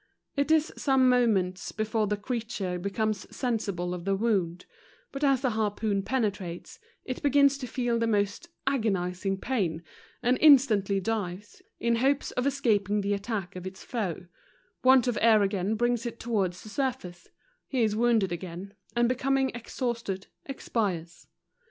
It is some moments before the creature becomes sensible of the wound; but as the harpoon penetrates, it begins to feel the most agonizing pain, and in¬ stantly dives, in hopes of escaping the attack of its foe; want of air again brings it towards the surface ; he is wounded again, and becoming ex¬ hausted, expires.